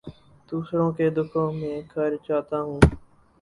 دوسروں کے دکھوں میں گھر جاتا ہوں